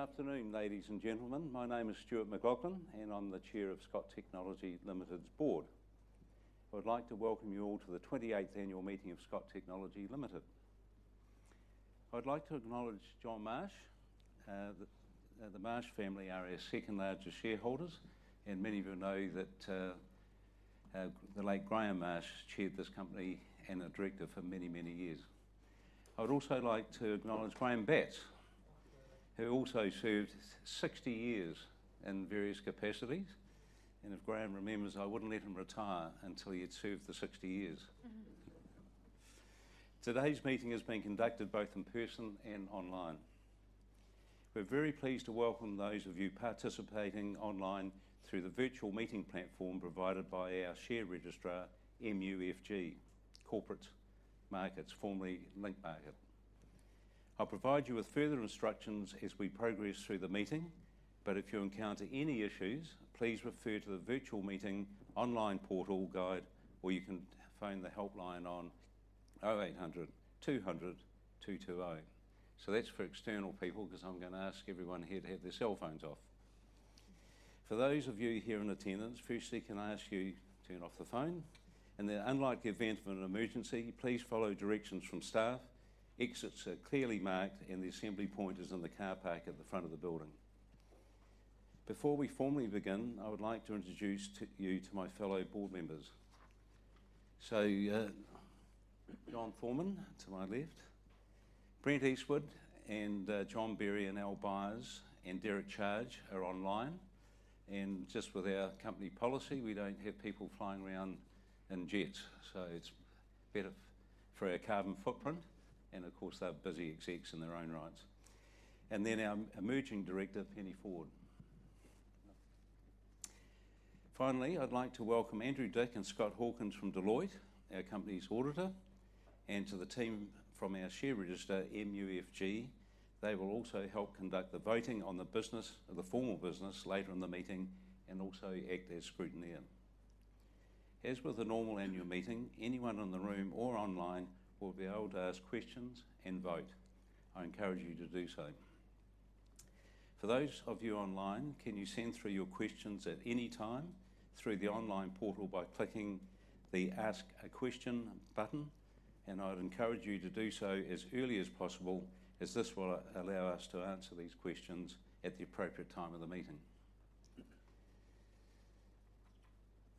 Good afternoon, ladies and gentlemen. My name is Stuart McLachlan, and I'm the Chair of Scott Technology Limited's board. I would like to welcome you all to the 28th Annual Meeting of Scott Technology Limited. I'd like to acknowledge John Marsh, the Marsh family, our second largest shareholders, and many of you know that the late Graham Marsh chaired this company and was director for many, many years. I would also like to acknowledge Graham Batts, who also served 60 years in various capacities, and if Graham remembers, I wouldn't let him retire until he had served the 60 years. Today's meeting has been conducted both in person and online. We're very pleased to welcome those of you participating online through the virtual meeting platform provided by our share registrar, MUFG Corporate Markets, formerly Link Market. I'll provide you with further instructions as we progress through the meeting, but if you encounter any issues, please refer to the virtual meeting online portal guide, or you can phone the helpline on 0800 200 220. So that's for external people because I'm going to ask everyone here to have their cell phones off. For those of you here in attendance, firstly, can I ask you to turn off the phone, and then, in the event of an emergency, please follow directions from staff. Exits are clearly marked, and the assembly point is in the car park at the front of the building. Before we formally begin, I would like to introduce you to my fellow board members. So John Foreman to my left, Brent Eastwood, and John Berry and Al Byers, and Derek Charge are online. And just with our company policy, we don't have people flying around in jets, so it's better for our carbon footprint. And of course, they're busy execs in their own rights. And then our Emerging Director, Penny Ford. Finally, I'd like to welcome Andrew Dick and Scott Hawkins from Deloitte, our company's auditor, and to the team from our share registrar, MUFG. They will also help conduct the voting on the business, the formal business, later in the meeting and also act as scrutineer. As with the normal annual meeting, anyone in the room or online will be able to ask questions and vote. I encourage you to do so. For those of you online, can you send through your questions at any time through the online portal by clicking the Ask a Question button? And I'd encourage you to do so as early as possible, as this will allow us to answer these questions at the appropriate time of the meeting.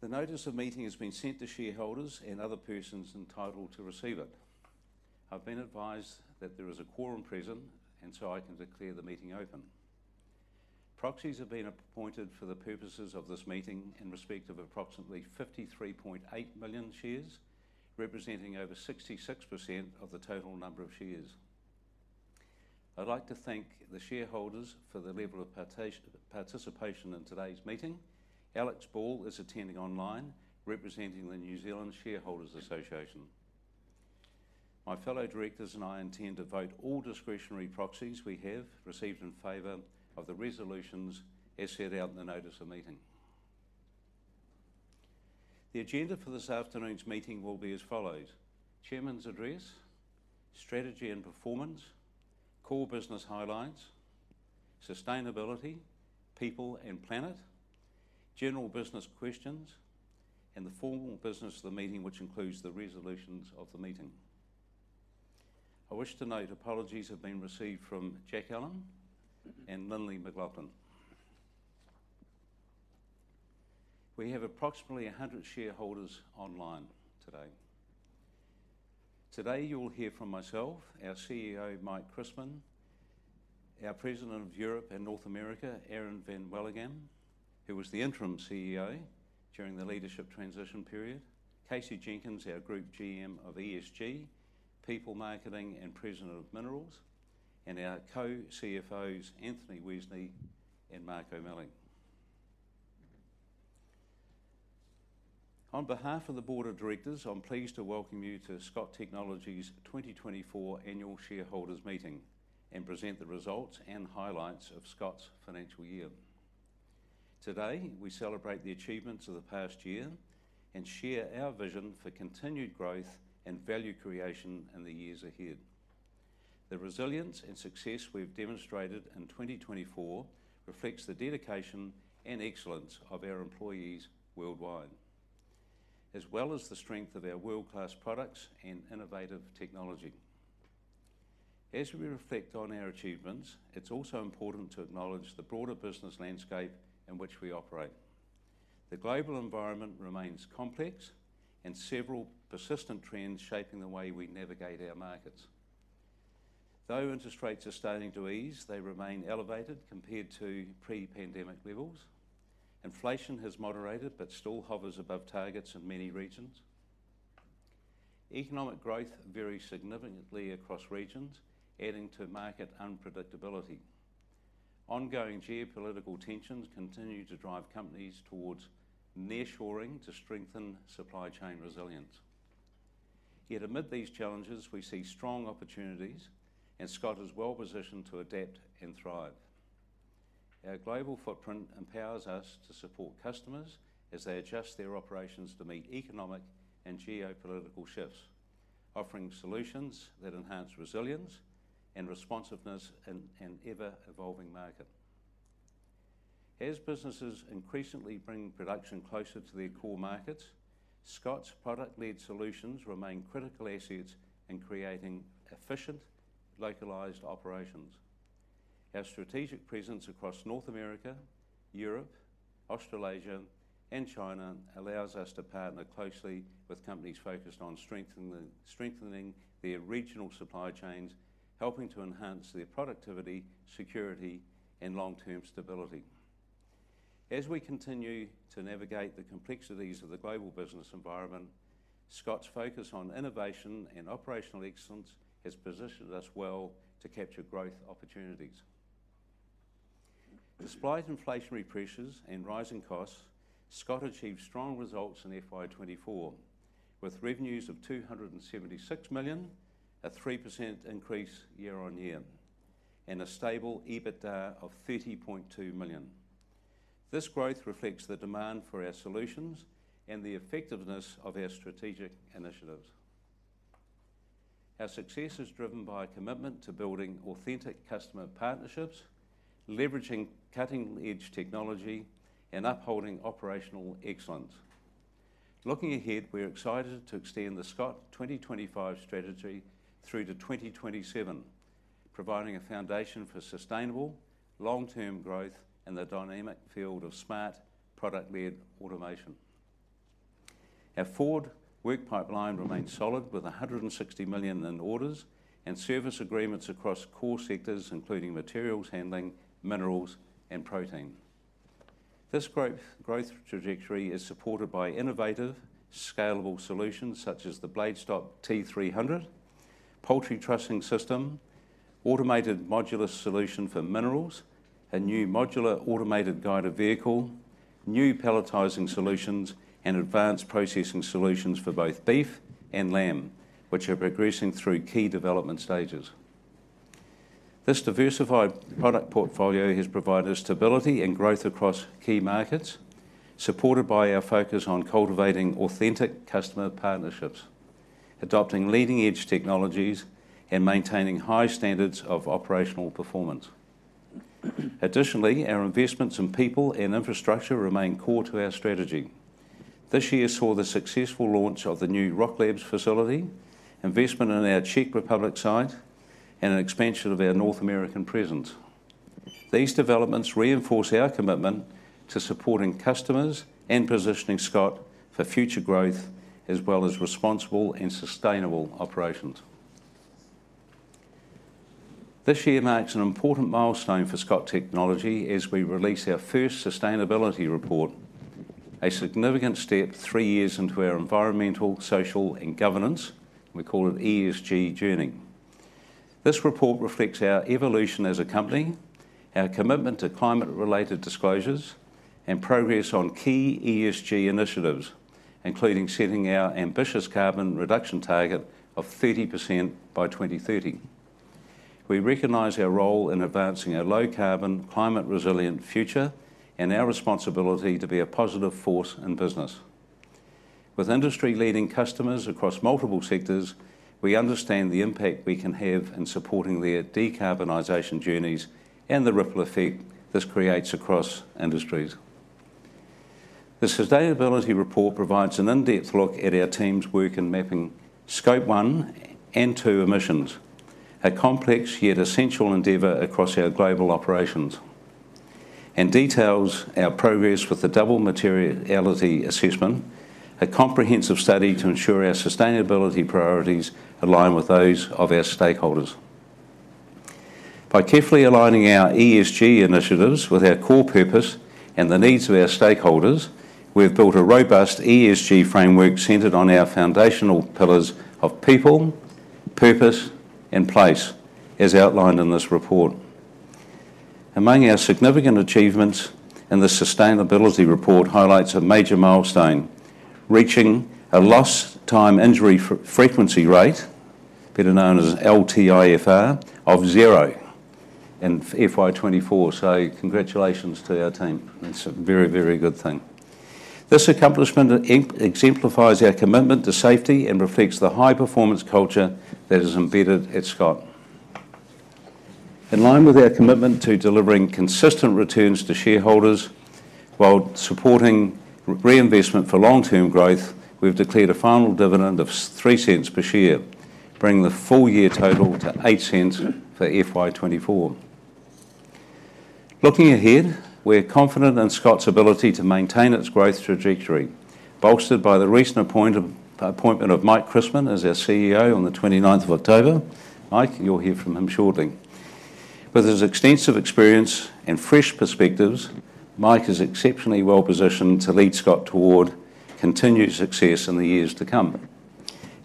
The notice of meeting has been sent to shareholders and other persons entitled to receive it. I've been advised that there is a quorum present, and so I can declare the meeting open. Proxies have been appointed for the purposes of this meeting in respect of approximately 53.8 million shares, representing over 66% of the total number of shares. I'd like to thank the shareholders for the level of participation in today's meeting. Alex Ball is attending online, representing the New Zealand Shareholders Association. My fellow directors and I intend to vote all discretionary proxies we have received in favour of the resolutions as set out in the notice of meeting. The agenda for this afternoon's meeting will be as follows: Chairman's Address, Strategy and Performance, Core Business Highlights, Sustainability, People and Planet, General Business Questions, and the formal business of the meeting, which includes the resolutions of the meeting. I wish to note apologies have been received from Jack Allen and Lynley McLachlan. We have approximately 100 shareholders online today. Today, you'll hear from myself, our CEO, Mike Christman, our President of Europe and North America, Aaron Vanwalleghem, who was the Interim CEO during the leadership transition period, Casey Jenkins, our Group GM of ESG, People, Marketing, and President of Minerals, and our Co-CFOs, Anthony Wesney and Mark O'Malley. On behalf of the Board of Directors, I'm pleased to welcome you to Scott Technology's 2024 Annual Shareholders Meeting and present the results and highlights of Scott's financial year. Today, we celebrate the achievements of the past year and share our vision for continued growth and value creation in the years ahead. The resilience and success we've demonstrated in 2024 reflects the dedication and excellence of our employees worldwide, as well as the strength of our world-class products and innovative technology. As we reflect on our achievements, it's also important to acknowledge the broader business landscape in which we operate. The global environment remains complex, and several persistent trends are shaping the way we navigate our markets. Though interest rates are starting to ease, they remain elevated compared to pre-pandemic levels. Inflation has moderated but still hovers above targets in many regions. Economic growth varies significantly across regions, adding to market unpredictability. Ongoing geopolitical tensions continue to drive companies towards nearshoring to strengthen supply chain resilience. Yet amid these challenges, we see strong opportunities, and Scott is well positioned to adapt and thrive. Our global footprint empowers us to support customers as they adjust their operations to meet economic and geopolitical shifts, offering solutions that enhance resilience and responsiveness in an ever-evolving market. As businesses increasingly bring production closer to their core markets, Scott's product-led solutions remain critical assets in creating efficient, localized operations. Our strategic presence across North America, Europe, Australasia, and China allows us to partner closely with companies focused on strengthening their regional supply chains, helping to enhance their productivity, security, and long-term stability. As we continue to navigate the complexities of the global business environment, Scott's focus on innovation and operational excellence has positioned us well to capture growth opportunities. Despite inflationary pressures and rising costs, Scott achieved strong results in FY2024, with revenues of 276 million, a 3% increase year on year, and a stable EBITDA of 30.2 million. This growth reflects the demand for our solutions and the effectiveness of our strategic initiatives. Our success is driven by a commitment to building authentic customer partnerships, leveraging cutting-edge technology, and upholding operational excellence. Looking ahead, we're excited to extend the Scott 2025 strategy through to 2027, providing a foundation for sustainable, long-term growth in the dynamic field of smart, product-led automation. Our forward work pipeline remains solid, with 160 million in orders and service agreements across core sectors, including materials handling, minerals, and protein. This growth trajectory is supported by innovative, scalable solutions such as the BladeStop T300, poultry trussing system, Automated Modular Solution for minerals, a new modular automated guided vehicle, new palletizing solutions, and advanced processing solutions for both beef and lamb, which are progressing through key development stages. This diversified product portfolio has provided us stability and growth across key markets, supported by our focus on cultivating authentic customer partnerships, adopting leading-edge technologies, and maintaining high standards of operational performance. Additionally, our investments in people and infrastructure remain core to our strategy. This year saw the successful launch of the new Rocklabs facility, investment in our Czech Republic site, and an expansion of our North American presence. These developments reinforce our commitment to supporting customers and positioning Scott for future growth, as well as responsible and sustainable operations. This year marks an important milestone for Scott Technology as we release our first sustainability report, a significant step three years into our environmental, social, and governance, we call it ESG journey. This report reflects our evolution as a company, our commitment to climate-related disclosures, and progress on key ESG initiatives, including setting our ambitious carbon reduction target of 30% by 2030. We recognize our role in advancing a low-carbon, climate-resilient future and our responsibility to be a positive force in business. With industry-leading customers across multiple sectors, we understand the impact we can have in supporting their decarbonization journeys and the ripple effect this creates across industries. The sustainability report provides an in-depth look at our team's work in mapping Scope 1 and 2 emissions, a complex yet essential endeavor across our global operations, and details our progress with the double materiality assessment, a comprehensive study to ensure our sustainability priorities align with those of our stakeholders. By carefully aligning our ESG initiatives with our core purpose and the needs of our stakeholders, we have built a robust ESG framework centered on our foundational pillars of people, purpose, and place, as outlined in this report. Among our significant achievements, the sustainability report highlights a major milestone: reaching a lost-time injury frequency rate, better known as LTIFR, of zero in FY24. So congratulations to our team. It's a very, very good thing. This accomplishment exemplifies our commitment to safety and reflects the high-performance culture that is embedded at Scott. In line with our commitment to delivering consistent returns to shareholders while supporting reinvestment for long-term growth, we've declared a final dividend of 0.03 per share, bringing the full year total to 0.08 for FY24. Looking ahead, we're confident in Scott's ability to maintain its growth trajectory, bolstered by the recent appointment of Mike Christman as our CEO on the 29th of October. Mike, you'll hear from him shortly. With his extensive experience and fresh perspectives, Mike is exceptionally well positioned to lead Scott toward continued success in the years to come.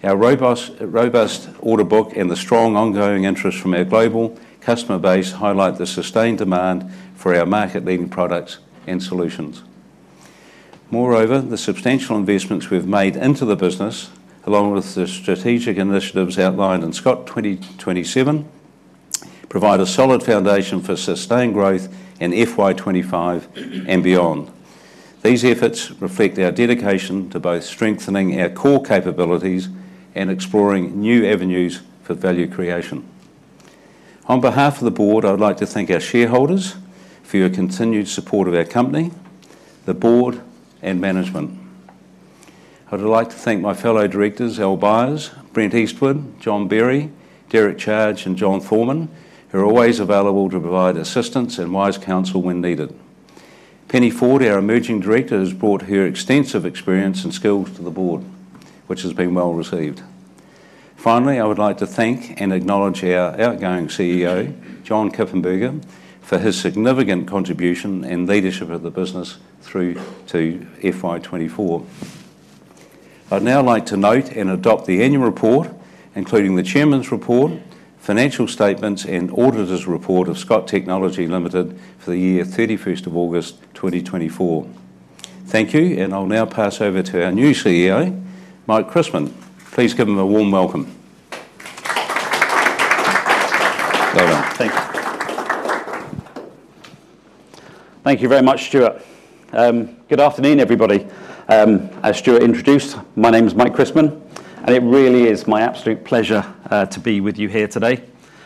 Our robust order book and the strong ongoing interest from our global customer base highlight the sustained demand for our market-leading products and solutions. Moreover, the substantial investments we've made into the business, along with the strategic initiatives outlined in Scott 2027, provide a solid foundation for sustained growth in FY2025 and beyond. These efforts reflect our dedication to both strengthening our core capabilities and exploring new avenues for value creation. On behalf of the board, I'd like to thank our shareholders for your continued support of our company, the board, and management. I'd like to thank my fellow directors, Al Byers, Brent Eastwood, John Berry, Derek Charge, and John Foreman, who are always available to provide assistance and wise counsel when needed. Penny Ford, our emerging director, has brought her extensive experience and skills to the board, which has been well received. Finally, I would like to thank and acknowledge our outgoing CEO, John Kippenberger, for his significant contribution and leadership of the business through to FY24. I'd now like to note and adopt the annual report, including the chairman's report, financial statements, and auditor's report of Scott Technology Limited for the year 31st of August 2024. Thank you, and I'll now pass over to our new CEO, Mike Christman. Please give him a warm welcome. Thank you. Thank you very much, Stuart. Good afternoon, everybody. As Stuart introduced, my name is Mike Christman, and it really is my absolute pleasure to be with you here today,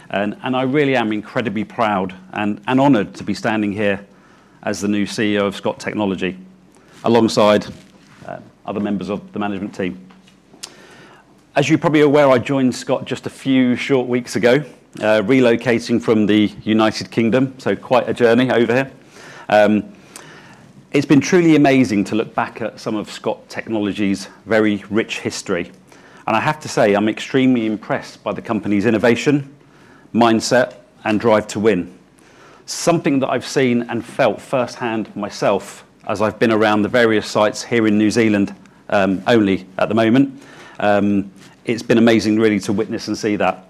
and I really am incredibly proud and honored to be standing here as the new CEO of Scott Technology alongside other members of the management team. As you're probably aware, I joined Scott just a few short weeks ago, relocating from the United Kingdom, so quite a journey over here. It's been truly amazing to look back at some of Scott Technology's very rich history, and I have to say, I'm extremely impressed by the company's innovation, mindset, and drive to win. Something that I've seen and felt firsthand myself as I've been around the various sites here in New Zealand only at the moment. It's been amazing, really, to witness and see that.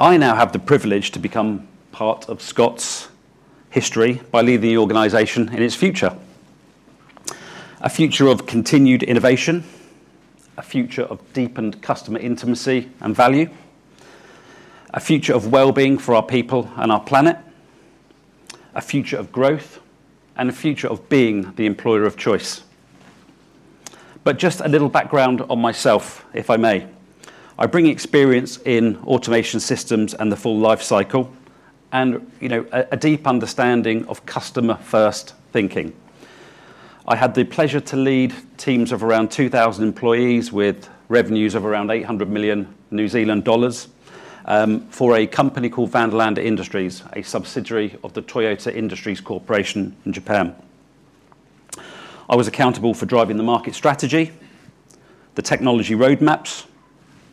I now have the privilege to become part of Scott's history by leading the organization in its future. A future of continued innovation, a future of deepened customer intimacy and value, a future of well-being for our people and our planet, a future of growth, and a future of being the employer of choice. But just a little background on myself, if I may. I bring experience in automation systems and the full life cycle and a deep understanding of customer-first thinking. I had the pleasure to lead teams of around 2,000 employees with revenues of around 800 million New Zealand dollars for a company called Vanderlande Industries, a subsidiary of the Toyota Industries Corporation in Japan. I was accountable for driving the market strategy, the technology roadmaps,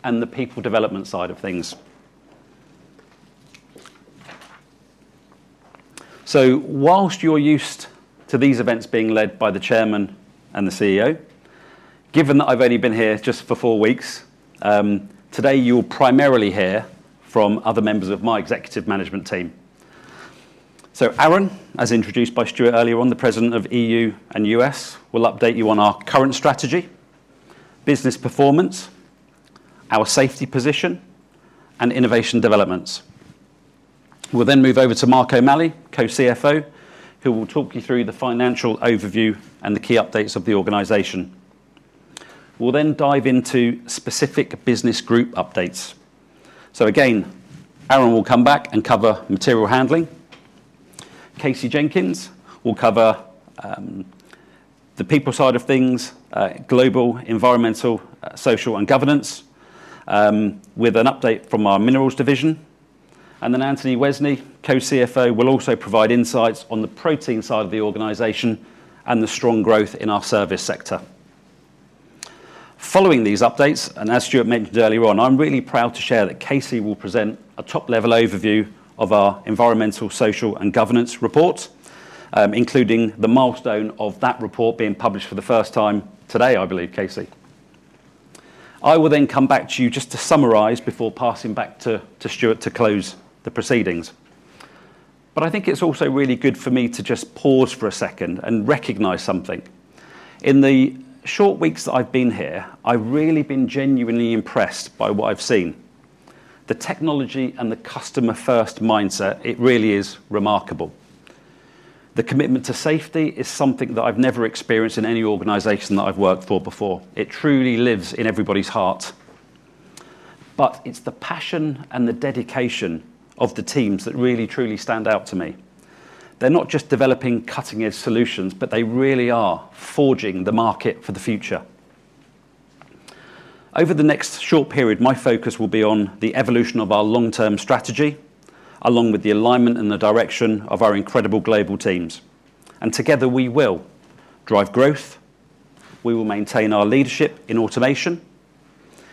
and the people development side of things. Whilst you're used to these events being led by the chairman and the CEO, given that I've only been here just for four weeks, today you'll primarily hear from other members of my executive management team. Aaron, as introduced by Stuart earlier on, the President of EU and US, will update you on our current strategy, business performance, our safety position, and innovation developments. We'll then move over to Mark O'Malley, Co-CFO, who will talk you through the financial overview and the key updates of the organization. We'll then dive into specific business group updates. So again, Aaron will come back and cover material handling. Casey Jenkins will cover the people side of things, global, environmental, social, and governance, with an update from our minerals division. And then Anthony Wesney, Co-CFO, will also provide insights on the protein side of the organization and the strong growth in our service sector. Following these updates, and as Stuart mentioned earlier on, I'm really proud to share that Casey will present a top-level overview of our environmental, social, and governance report, including the milestone of that report being published for the first time today, I believe, Casey. I will then come back to you just to summarize before passing back to Stuart to close the proceedings. But I think it's also really good for me to just pause for a second and recognize something. In the short weeks that I've been here, I've really been genuinely impressed by what I've seen. The technology and the customer-first mindset. It really is remarkable. The commitment to safety is something that I've never experienced in any organization that I've worked for before. It truly lives in everybody's heart, but it's the passion and the dedication of the teams that really, truly stand out to me. They're not just developing cutting-edge solutions, but they really are forging the market for the future. Over the next short period, my focus will be on the evolution of our long-term strategy, along with the alignment and the direction of our incredible global teams, and together, we will drive growth. We will maintain our leadership in automation.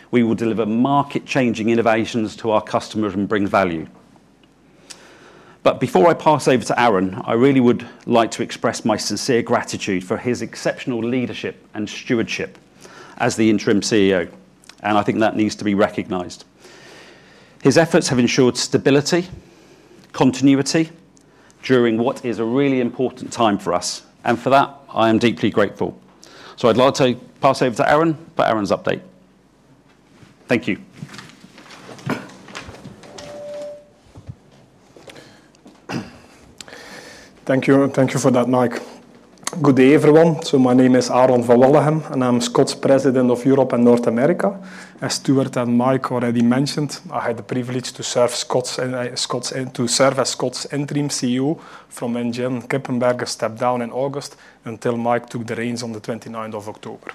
We will deliver market-changing innovations to our customers and bring value. But before I pass over to Aaron, I really would like to express my sincere gratitude for his exceptional leadership and stewardship as the interim CEO. And I think that needs to be recognized. His efforts have ensured stability, continuity during what is a really important time for us. And for that, I am deeply grateful. So I'd like to pass over to Aaron for Aaron's update. Thank you. Thank you for that, Mike. Good day, everyone. So my name is Aaron Vanwalleghem, and I'm Scott's President of Europe and North America. As Stuart and Mike already mentioned, I had the privilege to serve as Scott's interim CEO from when John Kippenberger stepped down in August until Mike took the reins on the 29th of October.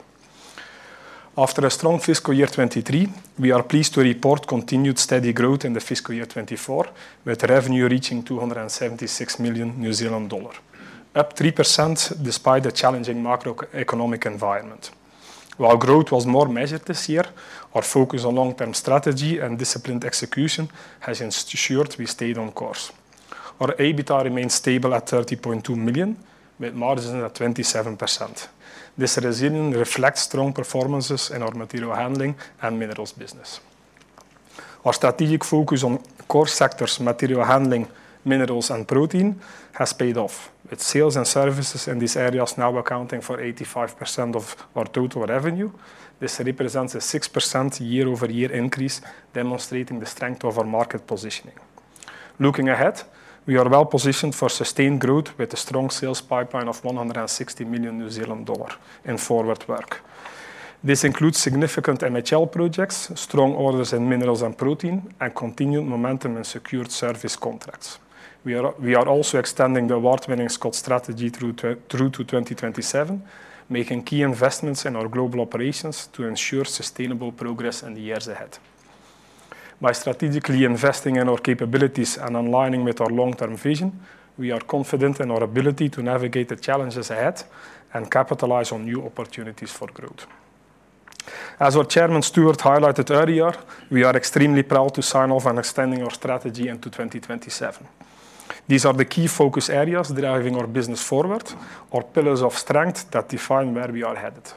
After a strong fiscal year 2023, we are pleased to report continued steady growth in the fiscal year 2024, with revenue reaching 276 million New Zealand dollar, up 3% despite the challenging macroeconomic environment. While growth was more measured this year, our focus on long-term strategy and disciplined execution has ensured we stayed on course. Our EBITDA remained stable at 30.2 million, with margins at 27%. This resilience reflects strong performances in our material handling and minerals business. Our strategic focus on core sectors, material handling, minerals, and protein has paid off, with sales and services in these areas now accounting for 85% of our total revenue. This represents a 6% year-over-year increase, demonstrating the strength of our market positioning. Looking ahead, we are well positioned for sustained growth with a strong sales pipeline of 160 million New Zealand dollar in forward work. This includes significant MHL projects, strong orders in minerals and protein, and continued momentum in secured service contracts. We are also extending the award-winning Scott strategy through to 2027, making key investments in our global operations to ensure sustainable progress in the years ahead. By strategically investing in our capabilities and aligning with our long-term vision, we are confident in our ability to navigate the challenges ahead and capitalize on new opportunities for growth. As our Chairman, Stuart, highlighted earlier, we are extremely proud to sign off on extending our strategy into 2027. These are the key focus areas driving our business forward, our pillars of strength that define where we are headed.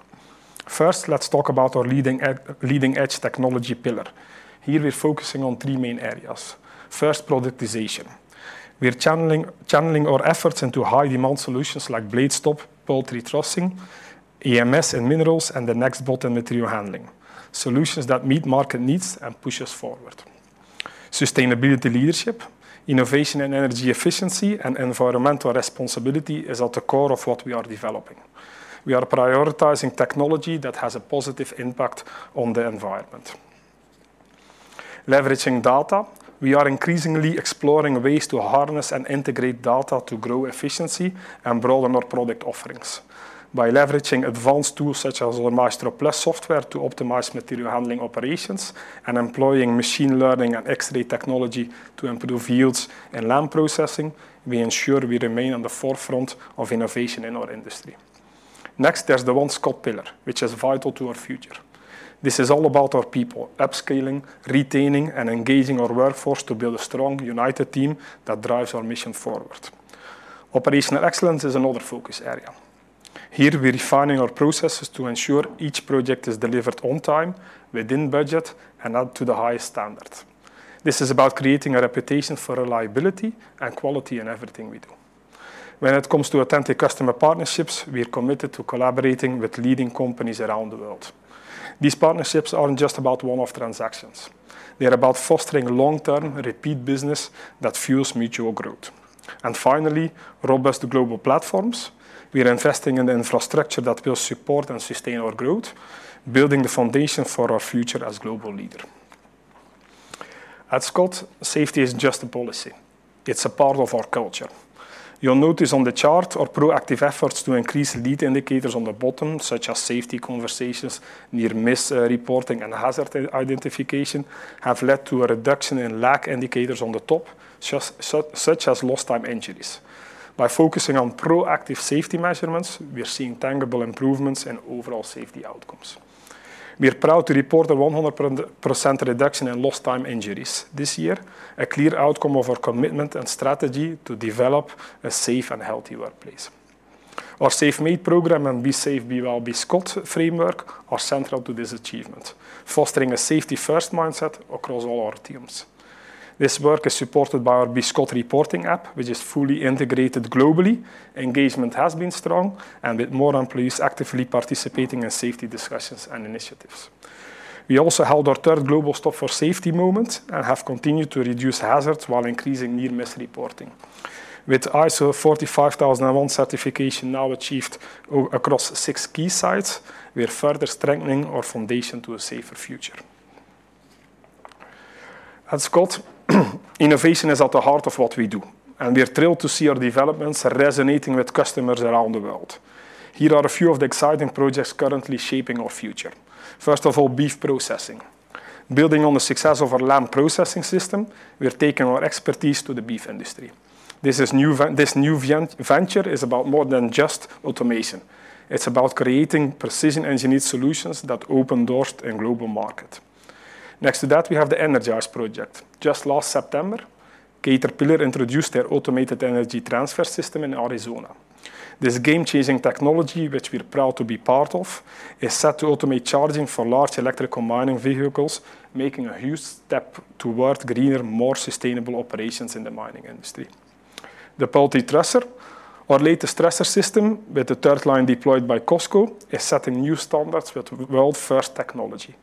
First, let's talk about our leading-edge technology pillar. Here, we're focusing on three main areas. First, productization. We're channeling our efforts into high-demand solutions like BladeStop, Poultry Trussing, AMS in minerals, and the NexBot in material handling, solutions that meet market needs and push us forward. Sustainability leadership, innovation and energy efficiency, and environmental responsibility is at the core of what we are developing. We are prioritizing technology that has a positive impact on the environment. Leveraging data, we are increasingly exploring ways to harness and integrate data to grow efficiency and broaden our product offerings. By leveraging advanced tools such as our Maestro+ software to optimize material handling operations and employing machine learning and X-ray technology to improve yields in meat processing, we ensure we remain on the forefront of innovation in our industry. Next, there's the one Scott pillar, which is vital to our future. This is all about our people, upscaling, retaining, and engaging our workforce to build a strong, united team that drives our mission forward. Operational excellence is another focus area. Here, we're refining our processes to ensure each project is delivered on time, within budget, and up to the highest standards. This is about creating a reputation for reliability and quality in everything we do. When it comes to authentic customer partnerships, we're committed to collaborating with leading companies around the world. These partnerships aren't just about one-off transactions. They're about fostering long-term, repeat business that fuels mutual growth. And finally, robust global platforms. We're investing in the infrastructure that will support and sustain our growth, building the foundation for our future as a global leader. At Scott, safety isn't just a policy. It's a part of our culture. You'll notice on the chart, our proactive efforts to increase lead indicators on the bottom, such as safety conversations, near-miss reporting, and hazard identification, have led to a reduction in lag indicators on the top, such as lost-time injuries. By focusing on proactive safety measurements, we're seeing tangible improvements in overall safety outcomes. We're proud to report a 100% reduction in lost-time injuries this year, a clear outcome of our commitment and strategy to develop a safe and healthy workplace. Our Safe Mate program and Be Safe, Be Well, Be Scott framework are central to this achievement, fostering a safety-first mindset across all our teams. This work is supported by our Be Scott reporting app, which is fully integrated globally. Engagement has been strong, and with more employees actively participating in safety discussions and initiatives. We also held our third global Stop for Safety moment and have continued to reduce hazards while increasing near-miss reporting. With ISO 45001 certification now achieved across six key sites, we're further strengthening our foundation to a safer future. At Scott, innovation is at the heart of what we do, and we're thrilled to see our developments resonating with customers around the world. Here are a few of the exciting projects currently shaping our future. First of all, beef processing. Building on the success of our lamb processing system, we're taking our expertise to the beef industry. This new venture is about more than just automation. It's about creating precision engineered solutions that open doors in global markets. Next to that, we have the Energize project. Just last September, Caterpillar introduced their automated energy transfer system in Arizona. This game-changing technology, which we're proud to be part of, is set to automate charging for large electric mining vehicles, making a huge step towards greener, more sustainable operations in the mining industry. The Poultry Trusser, our latest trusser system with the third line deployed by Costco, is setting new standards with world-first technology.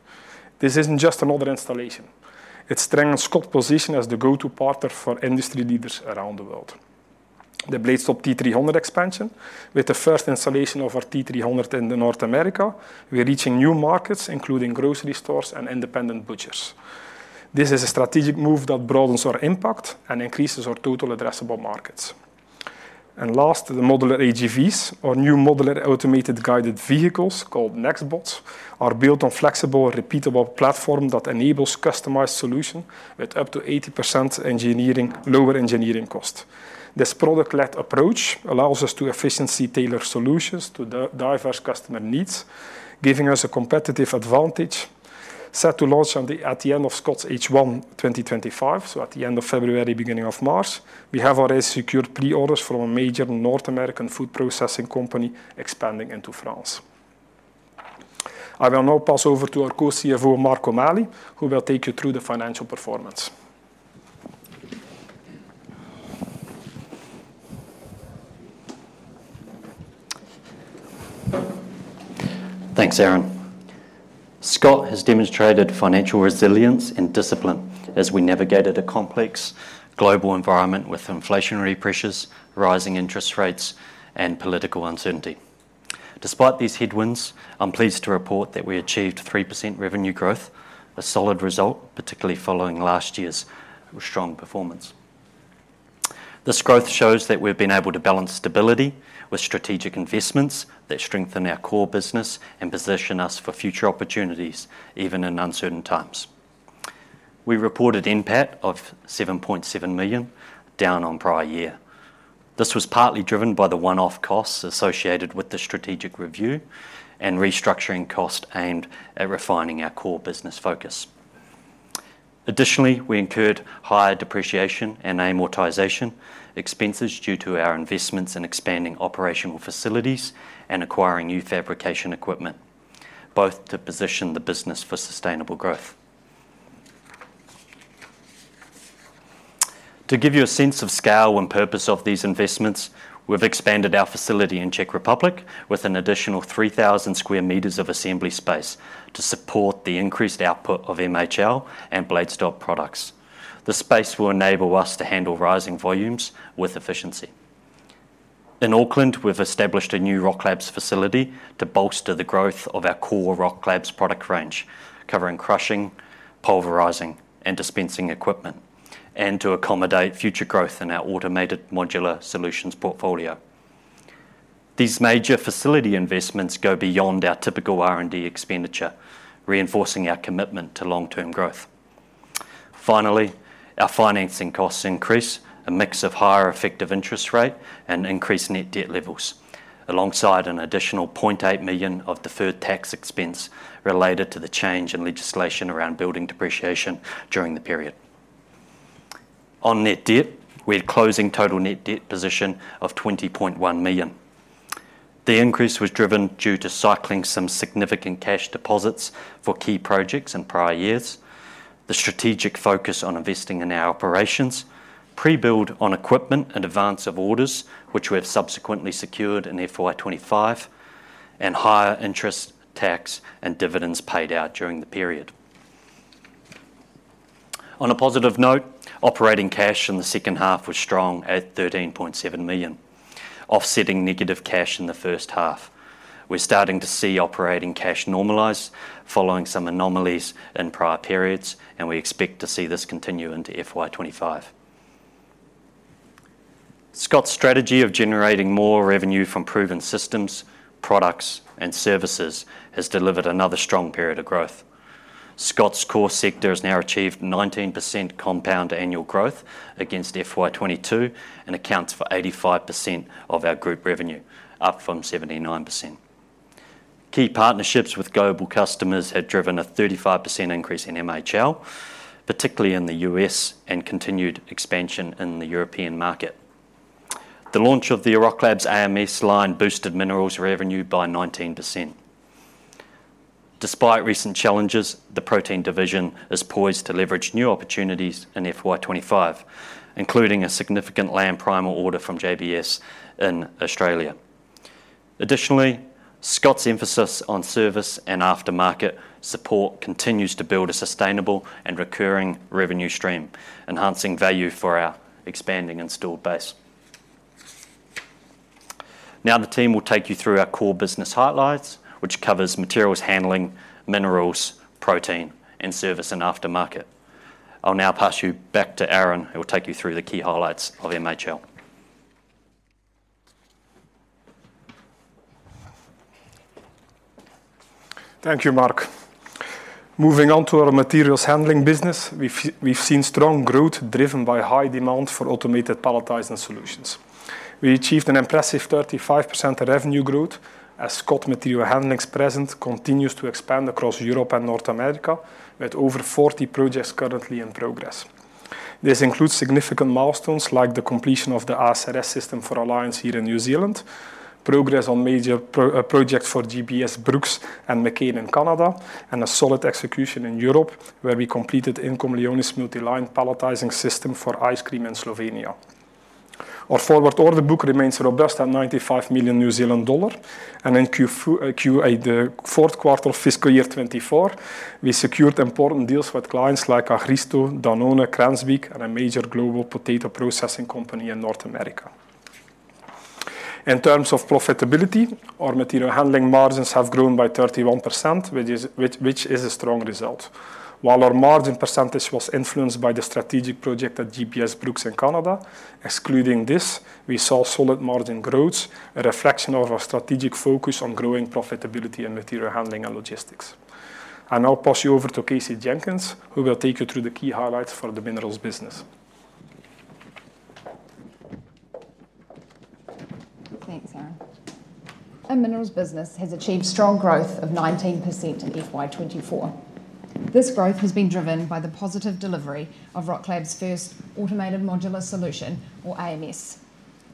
This isn't just another installation. It strengthens Scott's position as the go-to partner for industry leaders around the world. The BladeStop T300 expansion, with the first installation of our T300 in North America. We're reaching new markets, including grocery stores and independent butchers. This is a strategic move that broadens our impact and increases our total addressable markets. And last, the modular AGVs, our new modular automated guided vehicles called NexBots, are built on a flexible, repeatable platform that enables customized solutions with up to 80% lower engineering cost. This product-led approach allows us to efficiently tailor solutions to diverse customer needs, giving us a competitive advantage. Set to launch at the end of Scott's H1 2025, so at the end of February, beginning of March, we have already secured pre-orders from a major North American food processing company expanding into France. I will now pass over to our co-CFO, Mark O'Malley, who will take you through the financial performance. Thanks, Aaron. Scott has demonstrated financial resilience and discipline as we navigated a complex global environment with inflationary pressures, rising interest rates, and political uncertainty. Despite these headwinds, I'm pleased to report that we achieved 3% revenue growth, a solid result, particularly following last year's strong performance. This growth shows that we've been able to balance stability with strategic investments that strengthen our core business and position us for future opportunities, even in uncertain times. We reported NPAT of 7.7 million, down on prior year. This was partly driven by the one-off costs associated with the strategic review and restructuring cost aimed at refining our core business focus. Additionally, we incurred higher depreciation and amortization expenses due to our investments in expanding operational facilities and acquiring new fabrication equipment, both to position the business for sustainable growth. To give you a sense of scale and purpose of these investments, we've expanded our facility in Czech Republic with an additional 3,000 sq m of assembly space to support the increased output of MHL and BladeStop products. The space will enable us to handle rising volumes with efficiency. In Auckland, we've established a new Rocklabs facility to bolster the growth of our core Rocklabs product range, covering crushing, pulverizing, and dispensing equipment, and to accommodate future growth in our automated modular solutions portfolio. These major facility investments go beyond our typical R&D expenditure, reinforcing our commitment to long-term growth. Finally, our financing costs increase, a mix of higher effective interest rate and increased net debt levels, alongside an additional 0.8 million of deferred tax expense related to the change in legislation around building depreciation during the period. On net debt, we had a closing total net debt position of 20.1 million. The increase was driven due to cycling some significant cash deposits for key projects in prior years, the strategic focus on investing in our operations, pre-build on equipment and advance of orders, which we have subsequently secured in FY25, and higher interest tax and dividends paid out during the period. On a positive note, operating cash in the second half was strong at 13.7 million, offsetting negative cash in the first half. We're starting to see operating cash normalize following some anomalies in prior periods, and we expect to see this continue into FY25. Scott's strategy of generating more revenue from proven systems, products, and services has delivered another strong period of growth. Scott's core sector has now achieved 19% compound annual growth against FY2022 and accounts for 85% of our group revenue, up from 79%. Key partnerships with global customers have driven a 35% increase in MHL, particularly in the U.S., and continued expansion in the European market. The launch of the Rocklabs AMS line boosted minerals revenue by 19%. Despite recent challenges, the protein division is poised to leverage new opportunities in FY25, including a significant lamb primal order from JBS in Australia. Additionally, Scott's emphasis on service and aftermarket support continues to build a sustainable and recurring revenue stream, enhancing value for our expanding installed base. Now, the team will take you through our core business highlights, which covers materials handling, minerals, protein, and service and aftermarket. I'll now pass you back to Aaron, who will take you through the key highlights of MHL. Thank you, Mark. Moving on to our materials handling business, we've seen strong growth driven by high demand for automated palletizing solutions. We achieved an impressive 35% revenue growth as Scott Material Handling's presence continues to expand across Europe and North America, with over 40 projects currently in progress. This includes significant milestones like the completion of the ASRS system for Alliance here in New Zealand, progress on major projects for JBS Brooks and McCain in Canada, and a solid execution in Europe, where we completed Incom Leone multi-line palletizing system for ice cream in Slovenia. Our forward order book remains robust at 95 million New Zealand dollar, and in Q4 of fiscal year 24, we secured important deals with clients like Agristo, Danone, Cranswick, and a major global potato processing company in North America. In terms of profitability, our material handling margins have grown by 31%, which is a strong result. While our margin percentage was influenced by the strategic project at JBS Brooks in Canada, excluding this, we saw solid margin growth, a reflection of our strategic focus on growing profitability in material handling and logistics. I'll now pass you over to Casey Jenkins, who will take you through the key highlights for the minerals business. Thanks, Aaron. Our minerals business has achieved strong growth of 19% in FY24. This growth has been driven by the positive delivery of Rocklabs' first automated modular solution, or AMS,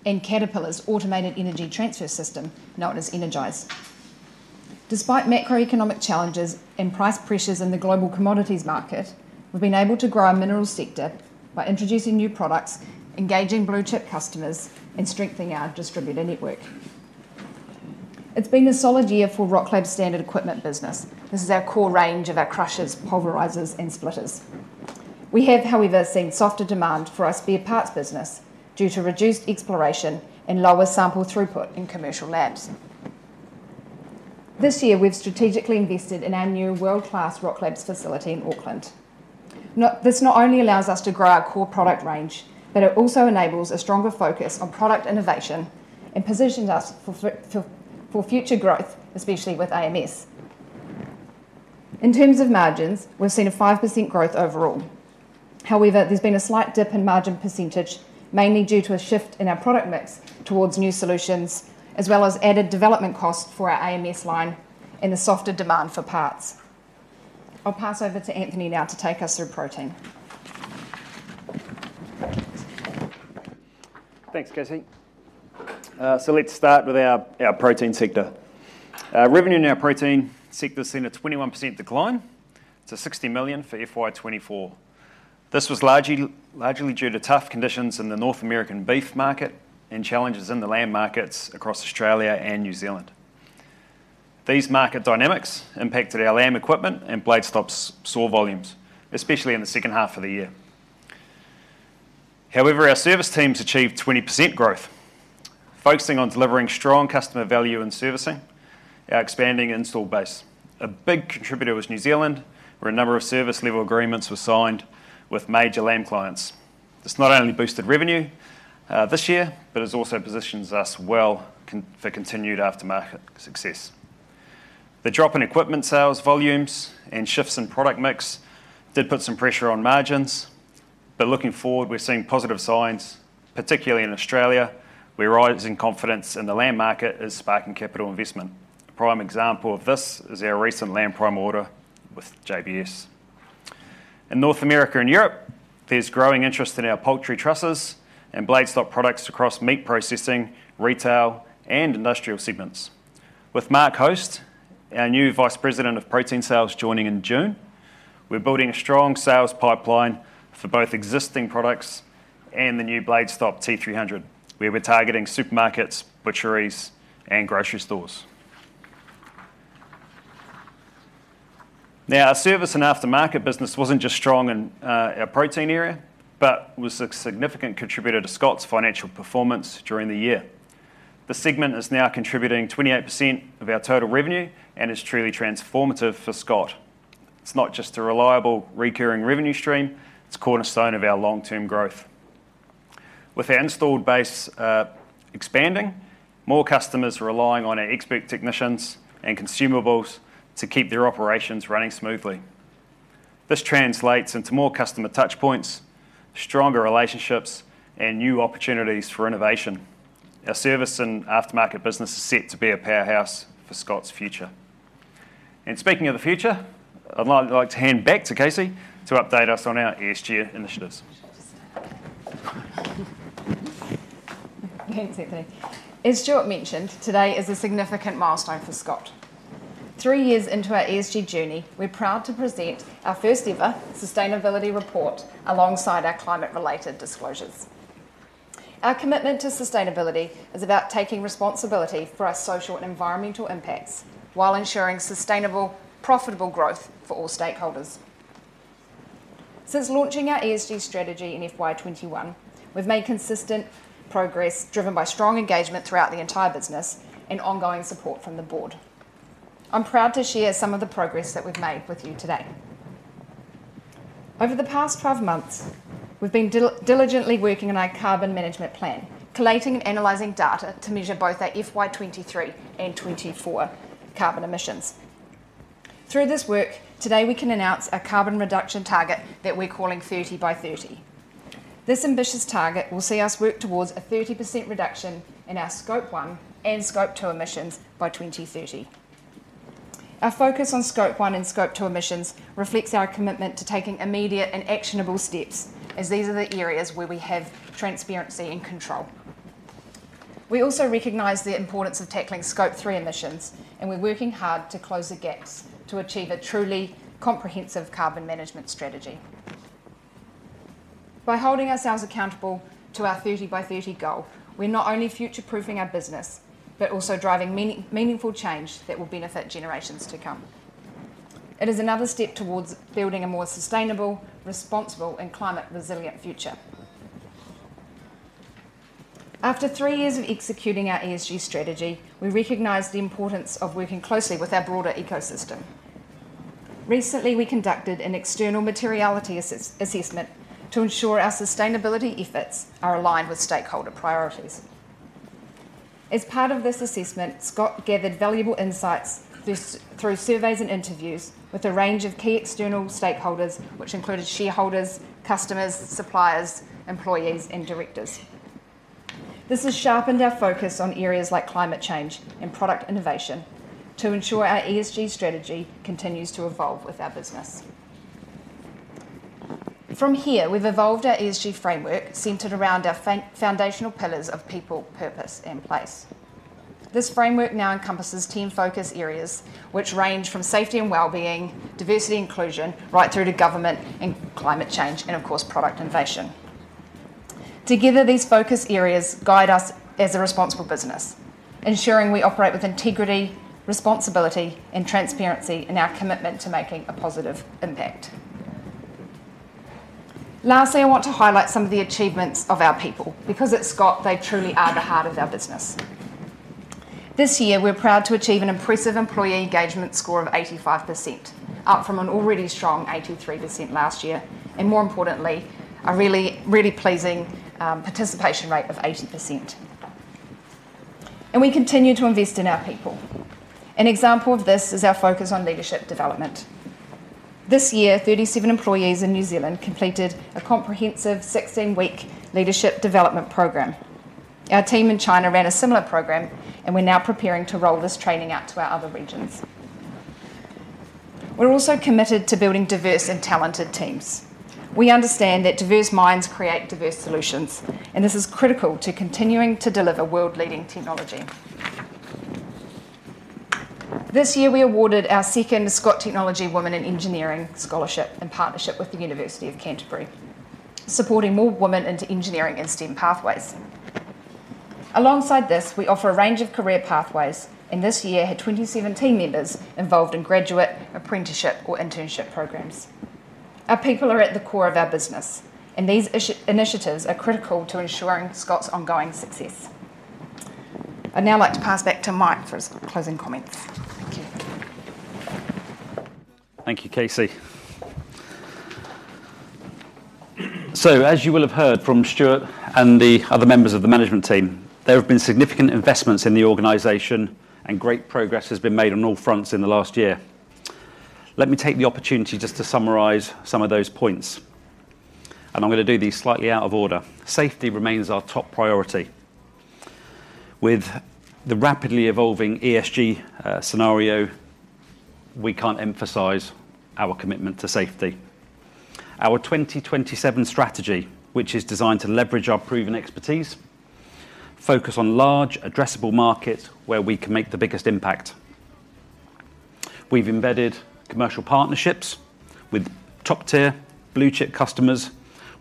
and Caterpillar's automated energy transfer system, known as Energize. Despite macroeconomic challenges and price pressures in the global commodities market, we've been able to grow our minerals sector by introducing new products, engaging blue-chip customers, and strengthening our distributor network. It's been a solid year for Rocklabs' standard equipment business. This is our core range of our crushers, pulverizers, and splitters. We have, however, seen softer demand for our spare parts business due to reduced exploration and lower sample throughput in commercial labs. This year, we've strategically invested in our new world-class Rocklabs facility in Auckland. This not only allows us to grow our core product range, but it also enables a stronger focus on product innovation and positions us for future growth, especially with AMS. In terms of margins, we've seen a 5% growth overall. However, there's been a slight dip in margin percentage, mainly due to a shift in our product mix towards new solutions, as well as added development costs for our AMS line and a softer demand for parts. I'll pass over to Anthony now to take us through protein. Thanks, Casey. So let's start with our protein sector. Revenue in our protein sector has seen a 21% decline to 60 million for FY2024. This was largely due to tough conditions in the North American beef market and challenges in the lamb markets across Australia and New Zealand. These market dynamics impacted our lamb equipment and BladeStop's saw volumes, especially in the second half of the year. However, our service teams achieved 20% growth, focusing on delivering strong customer value and servicing our expanding installed base. A big contributor was New Zealand, where a number of service-level agreements were signed with major plant clients. This not only boosted revenue this year, but it also positions us well for continued aftermarket success. The drop in equipment sales volumes and shifts in product mix did put some pressure on margins, but looking forward, we're seeing positive signs, particularly in Australia, where rising confidence in the lamb market is sparking capital investment. A prime example of this is our recent lamb palletiser order with JBS. In North America and Europe, there's growing interest in our poultry trussers and BladeStop products across meat processing, retail, and industrial segments. With Mark Host, our new Vice President of Protein Sales, joining in June, we're building a strong sales pipeline for both existing products and the new BladeStop T300, where we're targeting supermarkets, butcheries, and grocery stores. Now, our service and aftermarket business wasn't just strong in our protein area, but was a significant contributor to Scott's financial performance during the year. The segment is now contributing 28% of our total revenue and is truly transformative for Scott. It's not just a reliable, recurring revenue stream. It's cornerstone of our long-term growth. With our installed base expanding, more customers are relying on our expert technicians and consumables to keep their operations running smoothly. This translates into more customer touchpoints, stronger relationships, and new opportunities for innovation. Our service and aftermarket business is set to be a powerhouse for Scott's future. And speaking of the future, I'd like to hand back to Casey to update us on our ESG initiatives. Thanks, Anthony. As John mentioned, today is a significant milestone for Scott. Three years into our ESG journey, we're proud to present our first-ever sustainability report alongside our climate-related disclosures. Our commitment to sustainability is about taking responsibility for our social and environmental impacts while ensuring sustainable, profitable growth for all stakeholders. Since launching our ESG strategy in FY 2021, we've made consistent progress driven by strong engagement throughout the entire business and ongoing support from the board. I'm proud to share some of the progress that we've made with you today. Over the past 12 months, we've been diligently working on our carbon management plan, collating and analyzing data to measure both our FY 2023 and 2024 carbon emissions. Through this work, today we can announce our carbon reduction target that we're calling 30 by 30. This ambitious target will see us work towards a 30% reduction in our Scope 1 and Scope 2 emissions by 2030. Our focus on Scope 1 and Scope 2 emissions reflects our commitment to taking immediate and actionable steps, as these are the areas where we have transparency and control. We also recognize the importance of tackling Scope 3 emissions, and we're working hard to close the gaps to achieve a truly comprehensive carbon management strategy. By holding ourselves accountable to our 30 by 30 goal, we're not only future-proofing our business, but also driving meaningful change that will benefit generations to come. It is another step towards building a more sustainable, responsible, and climate-resilient future. After three years of executing our ESG strategy, we recognize the importance of working closely with our broader ecosystem. Recently, we conducted an external materiality assessment to ensure our sustainability efforts are aligned with stakeholder priorities. As part of this assessment, Scott gathered valuable insights through surveys and interviews with a range of key external stakeholders, which included shareholders, customers, suppliers, employees, and directors. This has sharpened our focus on areas like climate change and product innovation to ensure our ESG strategy continues to evolve with our business. From here, we've evolved our ESG framework centered around our foundational pillars of people, purpose, and place. This framework now encompasses team focus areas, which range from safety and well-being, diversity and inclusion, right through to government and climate change, and of course, product innovation. Together, these focus areas guide us as a responsible business, ensuring we operate with integrity, responsibility, and transparency in our commitment to making a positive impact. Lastly, I want to highlight some of the achievements of our people. Because it's Scott, they truly are the heart of our business. This year, we're proud to achieve an impressive employee engagement score of 85%, up from an already strong 83% last year, and more importantly, a really pleasing participation rate of 80%, and we continue to invest in our people. An example of this is our focus on leadership development. This year, 37 employees in New Zealand completed a comprehensive 16-week leadership development program. Our team in China ran a similar program, and we're now preparing to roll this training out to our other regions. We're also committed to building diverse and talented teams. We understand that diverse minds create diverse solutions, and this is critical to continuing to deliver world-leading technology. This year, we awarded our second Scott Technology Women in Engineering scholarship in partnership with the University of Canterbury, supporting more women into engineering and STEM pathways. Alongside this, we offer a range of career pathways, and this year had 27 team members involved in graduate, apprenticeship, or internship programs. Our people are at the core of our business, and these initiatives are critical to ensuring Scott's ongoing success. I'd now like to pass back to Mike for his closing comments. Thank you. Thank you, Casey. So, as you will have heard from Stuart and the other members of the management team, there have been significant investments in the organization, and great progress has been made on all fronts in the last year. Let me take the opportunity just to summarize some of those points. And I'm going to do these slightly out of order. Safety remains our top priority. With the rapidly evolving ESG scenario, we can't emphasize our commitment to safety. Our 2027 strategy, which is designed to leverage our proven expertise, focuses on large, addressable markets where we can make the biggest impact. We've embedded commercial partnerships with top-tier blue-chip customers,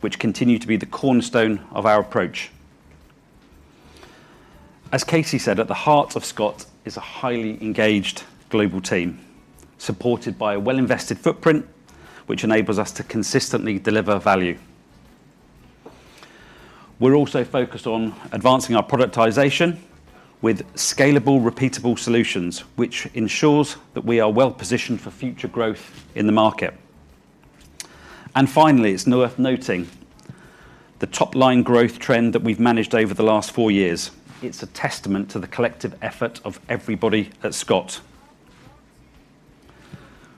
which continue to be the cornerstone of our approach. As Casey said, at the heart of Scott is a highly engaged global team, supported by a well-invested footprint, which enables us to consistently deliver value. We're also focused on advancing our productization with scalable, repeatable solutions, which ensures that we are well-positioned for future growth in the market. And finally, it's worth noting the top-line growth trend that we've managed over the last four years. It's a testament to the collective effort of everybody at Scott.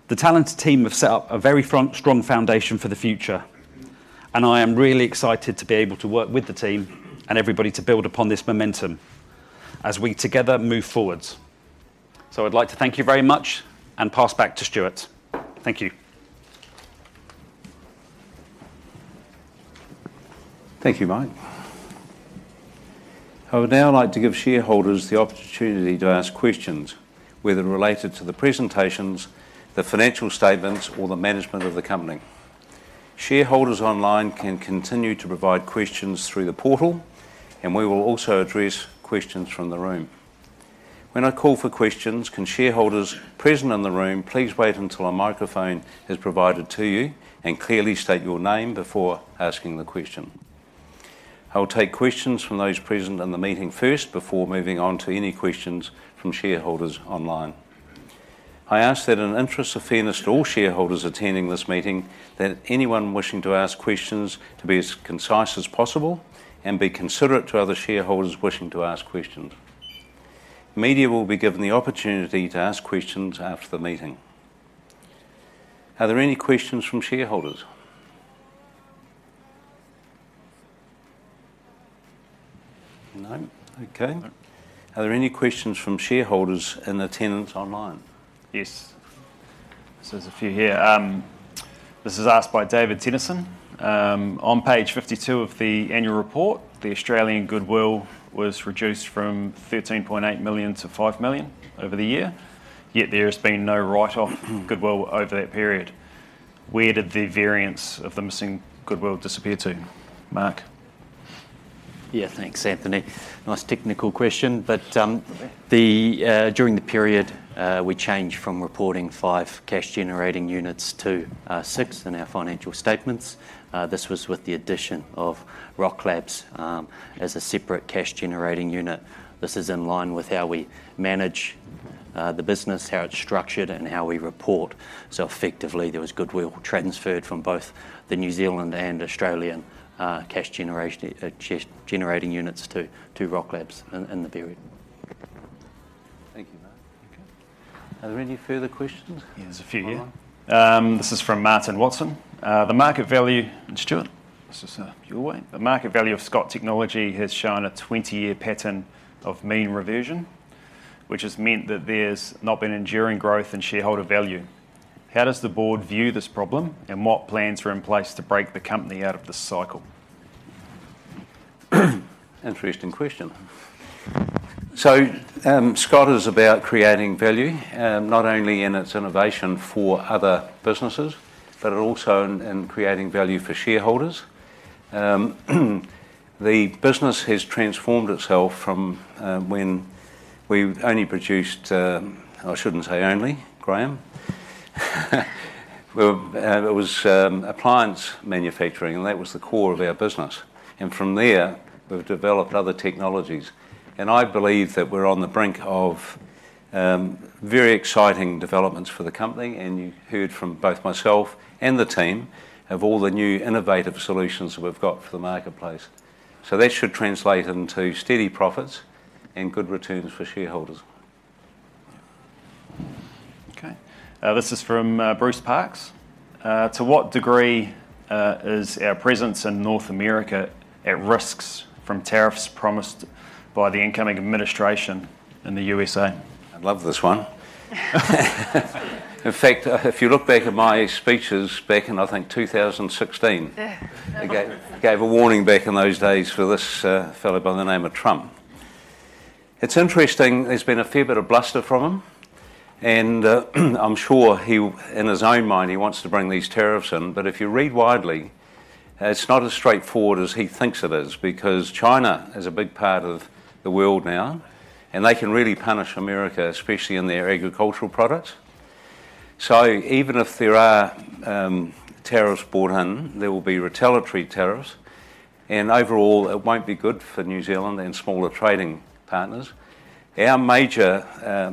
The talented team have set up a very strong foundation for the future, and I am really excited to be able to work with the team and everybody to build upon this momentum as we together move forward. So I'd like to thank you very much and pass back to Stuart. Thank you. Thank you, Mike. I would now like to give shareholders the opportunity to ask questions, whether related to the presentations, the financial statements, or the management of the company. Shareholders online can continue to provide questions through the portal, and we will also address questions from the room. When I call for questions, can shareholders present in the room please wait until a microphone is provided to you and clearly state your name before asking the question? I will take questions from those present in the meeting first before moving on to any questions from shareholders online. I ask that in the interest of fairness to all shareholders attending this meeting, that anyone wishing to ask questions be as concise as possible and be considerate to other shareholders wishing to ask questions. Media will be given the opportunity to ask questions after the meeting. Are there any questions from shareholders? No? Okay. Are there any questions from shareholders and attendees online? Yes. There's a few here. This is asked by David Tennyson. On page 52 of the annual report, the Australian goodwill was reduced from 13.8 million to 5 million over the year, yet there has been no write-off goodwill over that period. Where did the variance of the missing goodwill disappear to? Mark? Yeah, thanks, Anthony. Nice technical question, but during the period, we changed from reporting five cash-generating units to six in our financial statements. This was with the addition of Rocklabs as a separate cash-generating unit. This is in line with how we manage the business, how it's structured, and how we report. So effectively, there was goodwill transferred from both the New Zealand and Australian cash-generating units to Rocklabs in the period. Thank you, Mark. Okay. Are there any further questions? Yeah, there's a few here. This is from Martin Watson. The market value and Stuart? This is your way. The market value of Scott Technology has shown a 20-year pattern of mean reversion, which has meant that there's not been enduring growth in shareholder value. How does the board view this problem, and what plans are in place to break the company out of this cycle? Interesting question. So Scott is about creating value, not only in its innovation for other businesses, but also in creating value for shareholders. The business has transformed itself from when we only produced - I shouldn't say only - Graham. It was appliance manufacturing, and that was the core of our business. And from there, we've developed other technologies. And I believe that we're on the brink of very exciting developments for the company, and you heard from both myself and the team of all the new innovative solutions we've got for the marketplace. So that should translate into steady profits and good returns for shareholders. Okay. This is from Bruce Parks. To what degree is our presence in North America at risk from tariffs promised by the incoming administration in the USA? I'd love this one. In fact, if you look back at my speeches back in, I think, 2016, I gave a warning back in those days for this fellow by the name of Trump. It's interesting. There's been a fair bit of bluster from him, and I'm sure in his own mind he wants to bring these tariffs in. But if you read widely, it's not as straightforward as he thinks it is because China is a big part of the world now, and they can really punish America, especially in their agricultural products. So even if there are tariffs brought in, there will be retaliatory tariffs, and overall, it won't be good for New Zealand and smaller trading partners. Our major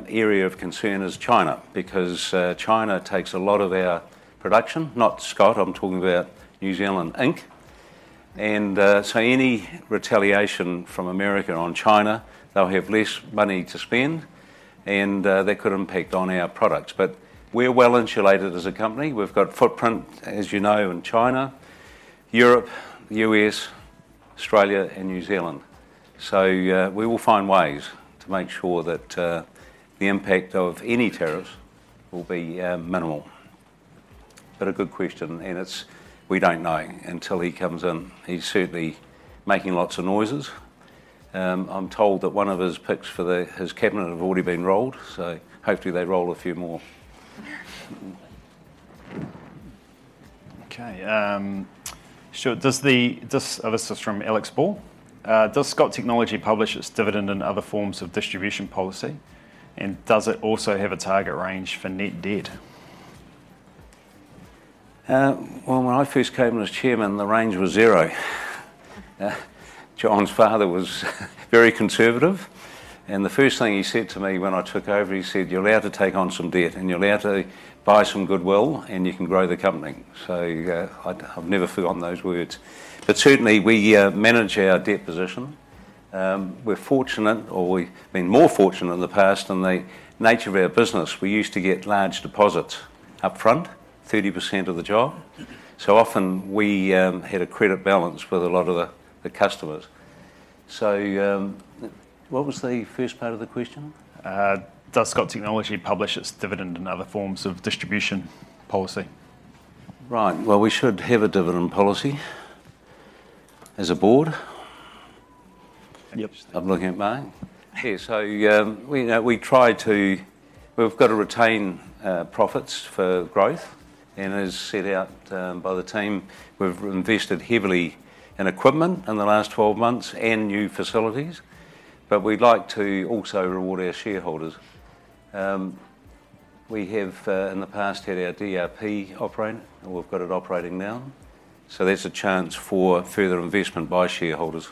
area of concern is China because China takes a lot of our production, not Scott, I'm talking about New Zealand Inc, and so any retaliation from America on China, they'll have less money to spend, and that could impact on our products. But we're well-insulated as a company. We've got footprint, as you know, in China, Europe, the U.S., Australia, and New Zealand. So we will find ways to make sure that the impact of any tariffs will be minimal. But a good question, and it's. We don't know until he comes in. He's certainly making lots of noises. I'm told that one of his picks for his cabinet have already been rolled, so hopefully they roll a few more. Okay. Stuart, this is from Alex Ball. Does Scott Technology publish its dividend and other forms of distribution policy, and does it also have a target range for net debt? Well, when I first came as chairman, the range was zero. John's father was very conservative, and the first thing he said to me when I took over, he said, "You're allowed to take on some debt, and you're allowed to buy some goodwill, and you can grow the company." So I've never forgotten those words. But certainly, we manage our debt position. We're fortunate, or we've been more fortunate in the past, in the nature of our business. We used to get large deposits upfront, 30% of the job. So often, we had a credit balance with a lot of the customers. So what was the first part of the question? Does Scott Technology publish its dividend and other forms of distribution policy? Right. Well, we should have a dividend policy as a board. Yep. I'm looking at mine. Yeah. So we try to, we've got to retain profits for growth, and as set out by the team, we've invested heavily in equipment in the last 12 months and new facilities, but we'd like to also reward our shareholders. We have, in the past, had our DRP operating, and we've got it operating now. So there's a chance for further investment by shareholders.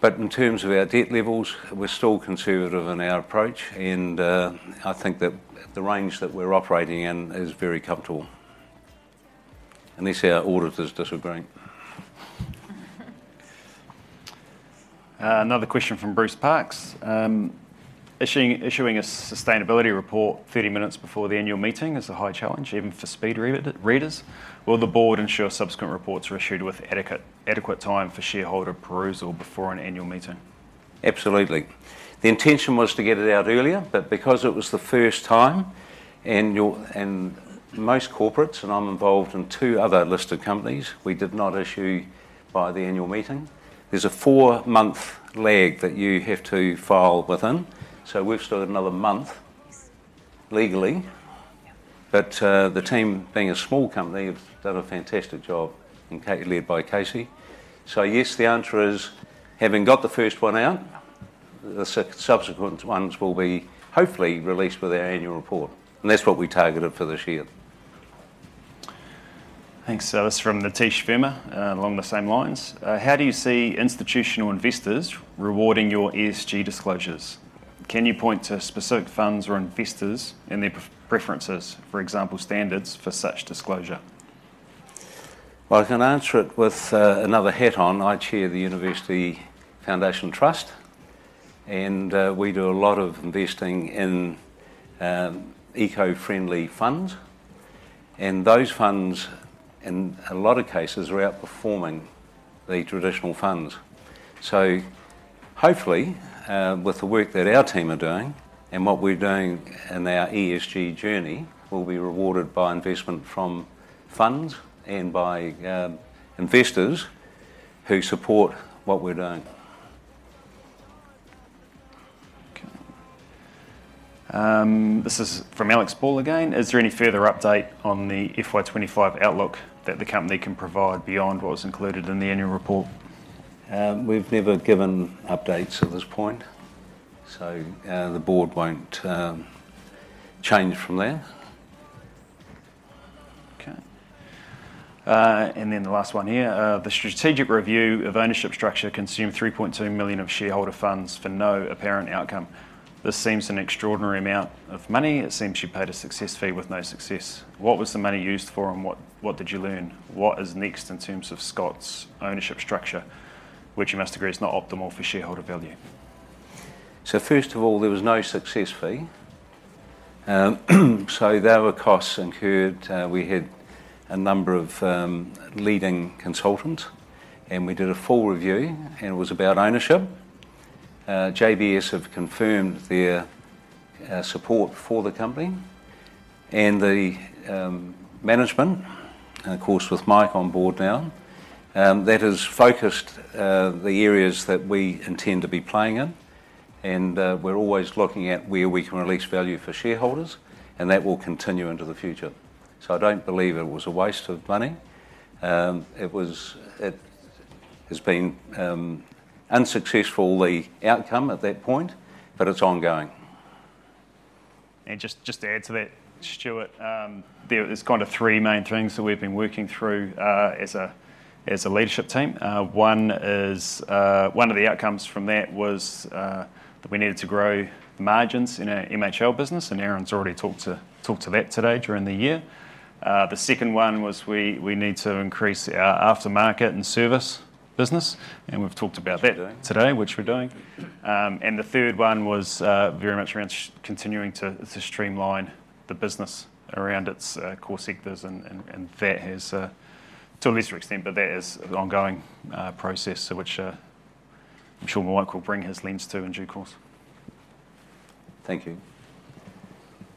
But in terms of our debt levels, we're still conservative in our approach, and I think that the range that we're operating in is very comfortable. Unless our auditors disagree. Another question from Bruce Parks. Issuing a sustainability report 30 minutes before the annual meeting is a high challenge, even for speed readers. Will the board ensure subsequent reports are issued with adequate time for shareholder perusal before an annual meeting? Absolutely. The intention was to get it out earlier, but because it was the first time, and most corporates, and I'm involved in two other listed companies, we did not issue by the annual meeting. There's a four-month lag that you have to file within, so we've still got another month legally. But the team, being a small company, have done a fantastic job, led by Casey. So yes, the answer is, having got the first one out, the subsequent ones will be hopefully released with our annual report, and that's what we targeted for this year. Thanks. This is from Nitesh Verma, along the same lines. How do you see institutional investors rewarding your ESG disclosures? Can you point to specific funds or investors and their preferences, for example, standards for such disclosure? Well, I can answer it with another hat on. I chair the University Foundation Trust, and we do a lot of investing in eco-friendly funds, and those funds, in a lot of cases, are outperforming the traditional funds. So hopefully, with the work that our team are doing and what we're doing in our ESG journey, we'll be rewarded by investment from funds and by investors who support what we're doing. Okay. This is from Alex Ball again. Is there any further update on the FY25 outlook that the company can provide beyond what was included in the annual report? We've never given updates at this point, so the board won't change from there. Okay. And then the last one here. The strategic review of ownership structure consumed 3.2 million of shareholder funds for no apparent outcome. This seems an extraordinary amount of money. It seems you paid a success fee with no success. What was the money used for, and what did you learn? What is next in terms of Scott's ownership structure, which you must agree is not optimal for shareholder value? So first of all, there was no success fee, so there were costs incurred. We had a number of leading consultants, and we did a full review, and it was about ownership. JBS have confirmed their support for the company, and the management, of course, with Mike on board now, that has focused the areas that we intend to be playing in, and we're always looking at where we can release value for shareholders, and that will continue into the future, so I don't believe it was a waste of money. It has been unsuccessful, the outcome at that point, but it's ongoing, and just to add to that, Stuart, there's kind of three main things that we've been working through as a leadership team. One of the outcomes from that was that we needed to grow margins in our MHL business, and Aaron's already talked to that today during the year. The second one was we need to increase our aftermarket and service business, and we've talked about that today, which we're doing. And the third one was very much around continuing to streamline the business around its core sectors, and that has, to a lesser extent, but that is an ongoing process which I'm sure Mike will bring his lens to in due course. Thank you.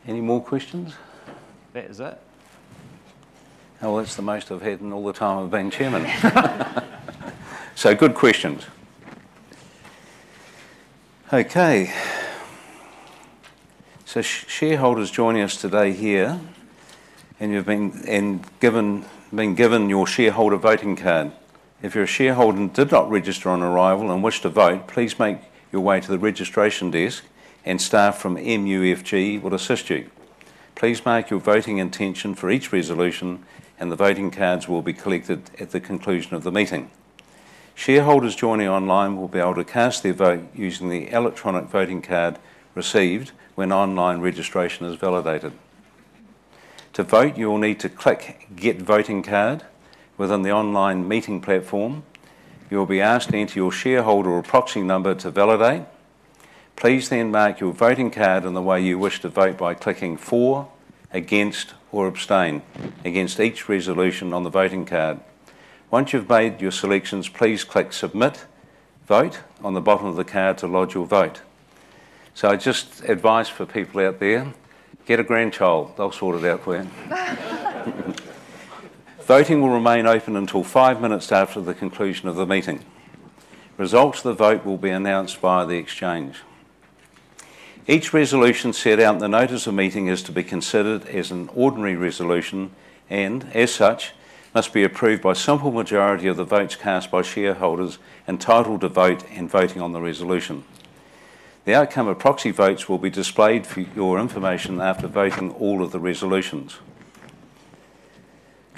Any more questions? That is it. Well, that's the most I've had in all the time I've been chairman. So good questions. Okay. So shareholders joining us today here, and you've been given your shareholder voting card. If your shareholder did not register on arrival and wished to vote, please make your way to the registration desk, and staff from MUFG will assist you. Please mark your voting intention for each resolution, and the voting cards will be collected at the conclusion of the meeting. Shareholders joining online will be able to cast their vote using the electronic voting card received when online registration is validated. To vote, you'll need to click "Get Voting Card" within the online meeting platform. You'll be asked to enter your shareholder or proxy number to validate. Please then mark your voting card in the way you wish to vote by clicking "For," "Against," or "Abstain" against each resolution on the voting card. Once you've made your selections, please click "Submit Vote" on the bottom of the card to lodge your vote. So just advice for people out there: get a grandchild. They'll sort it out for you. Voting will remain open until five minutes after the conclusion of the meeting. Results of the vote will be announced via the exchange. Each resolution set out in the notice of meeting is to be considered as an ordinary resolution and, as such, must be approved by a simple majority of the votes cast by shareholders entitled to vote in voting on the resolution. The outcome of proxy votes will be displayed for your information after voting all of the resolutions.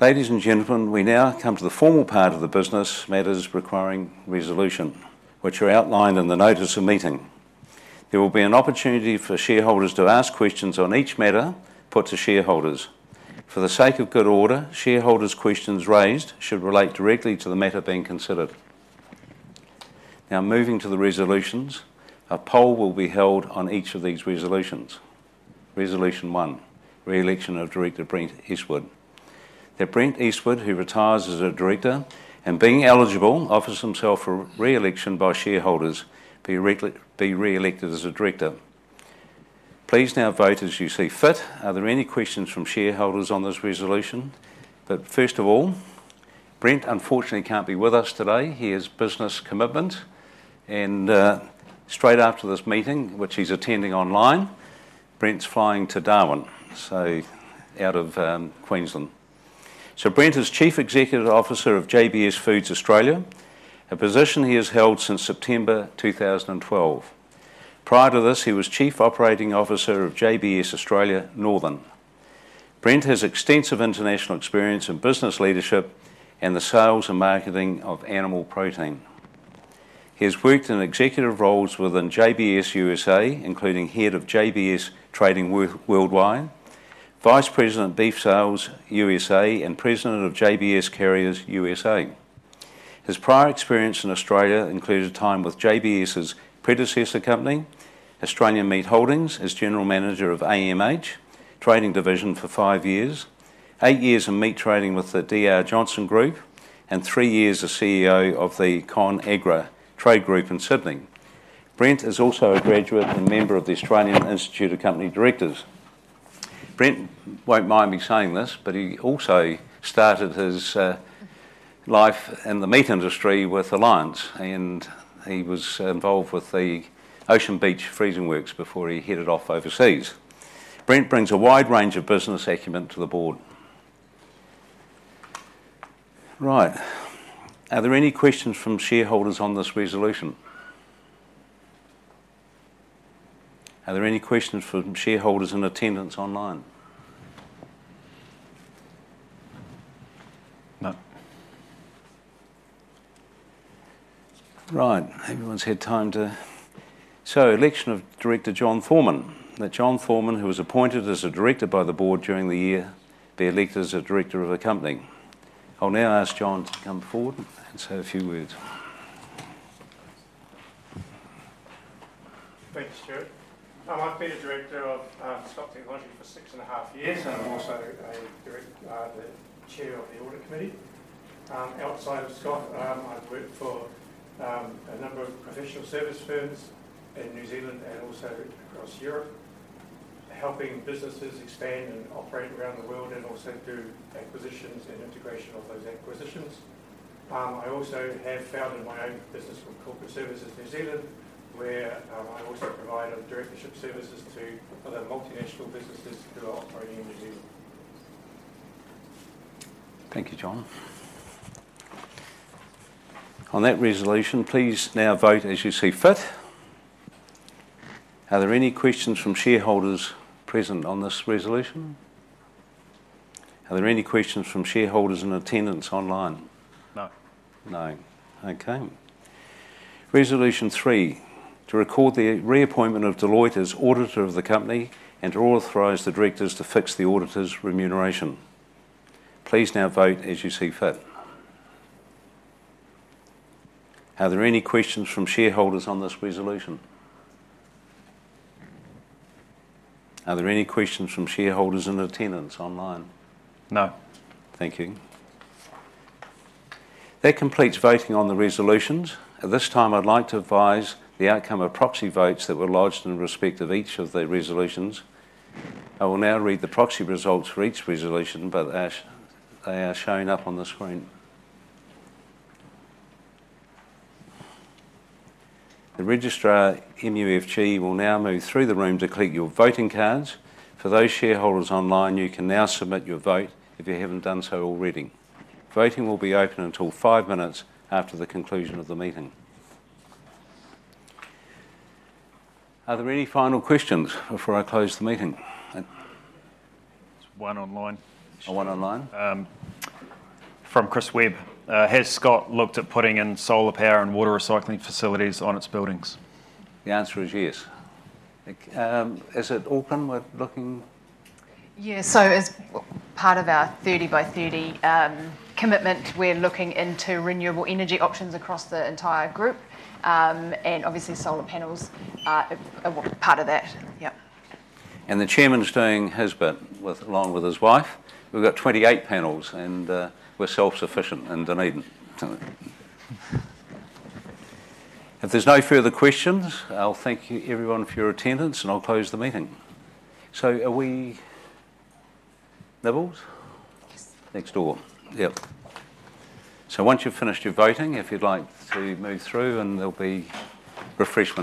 Ladies and gentlemen, we now come to the formal part of the business matters requiring resolution, which are outlined in the notice of meeting. There will be an opportunity for shareholders to ask questions on each matter put to shareholders. For the sake of good order, shareholders' questions raised should relate directly to the matter being considered. Now, moving to the resolutions, a poll will be held on each of these resolutions. Resolution One: Re-election of Director Brent Eastwood. That Brent Eastwood, who retires as a director and being eligible, offers himself for re-election by shareholders to be re-elected as a director. Please now vote as you see fit. Are there any questions from shareholders on this resolution? But first of all, Brent unfortunately can't be with us today. He has business commitment, and straight after this meeting, which he's attending online, Brent's flying to Darwin, so out of Queensland. So Brent is Chief Executive Officer of JBS Foods Australia, a position he has held since September 2012. Prior to this, he was Chief Operating Officer of JBS Australia Northern. Brent has extensive international experience in business leadership and the sales and marketing of animal protein. He has worked in executive roles within JBS USA, including head of JBS Trading Worldwide, Vice President Beef Sales USA, and President of JBS Carriers USA. His prior experience in Australia included time with JBS's predecessor company, Australian Meat Holdings, as General Manager of AMH Trading Division for five years, eight years in meat trading with the D.R. Johnston Group, and three years as CEO of the ConAgra Trade Group in Sydney. Brent is also a graduate and member of the Australian Institute of Company Directors. Brent won't mind me saying this, but he also started his life in the meat industry with Alliance, and he was involved with the Ocean Beach Freezing Works before he headed off overseas. Brent brings a wide range of business acumen to the board. Right. Are there any questions from shareholders on this resolution? Are there any questions from shareholders in attendance online? No. Right. Everyone's had time to... So election of Director John Foreman. That John Foreman, who was appointed as a director by the board during the year, be elected as a director of the company. I'll now ask John to come forward and say a few words. Thanks, Stuart. I've been a director of Scott Technology for six and a half years, and I'm also the Chair of the audit committee. Outside of Scott, I've worked for a number of professional service firms in New Zealand and also across Europe, helping businesses expand and operate around the world and also do acquisitions and integration of those acquisitions. I also have founded my own business called Corporate Services New Zealand, where I also provide directorship services to other multinational businesses who are operating in New Zealand. Thank you, John. On that resolution, please now vote as you see fit. Are there any questions from shareholders present on this resolution? Are there any questions from shareholders in attendance online? No. No. Okay. Resolution Three: To record the reappointment of Deloitte as auditor of the company and to authorize the directors to fix the auditor's remuneration. Please now vote as you see fit. Are there any questions from shareholders on this resolution? Are there any questions from shareholders in attendance online? No. Thank you. That completes voting on the resolutions. At this time, I'd like to advise the outcome of proxy votes that were lodged in respect of each of the resolutions. I will now read the proxy results for each resolution, but they are showing up on the screen. The registrar MUFG will now move through the room to collect your voting cards. For those shareholders online, you can now submit your vote if you haven't done so already. Voting will be open until five minutes after the conclusion of the meeting. Are there any final questions before I close the meeting? There's one online. One online? From Chris Webb: Has Scott looked at putting in solar power and water recycling facilities on its buildings? The answer is yes. Is it Auckland we're looking? Yeah. So as part of our 30 by 30 commitment, we're looking into renewable energy options across the entire group, and obviously, solar panels are part of that. Yep. And the chairman is staying in Halswell, along with his wife. We've got 28 panels, and we're self-sufficient and don't need them. If there's no further questions, I'll thank everyone for your attendance, and I'll close the meeting. So are we level? Yes. Next door. Yep. So once you've finished your voting, if you'd like to move through, and there'll be refreshments.